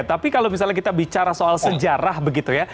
tapi kalau misalnya kita bicara soal sejarah begitu ya